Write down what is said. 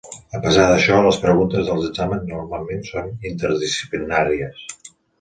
A pesar d'això, les preguntes dels exàmens normalment són interdisciplinàries.